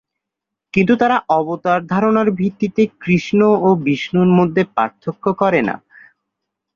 কিন্তু তারা অবতার ধারণার ভিত্তিতে কৃষ্ণ এবং বিষ্ণুর মধ্যে পার্থক্য করে না।